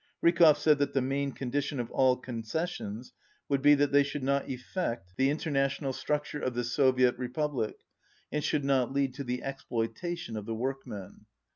Rykov said that the main condition of all concessions would be that they should not effect the interjia x6i tional structure of the Soviet Republic and should not lead to the exploitation of the worbrven.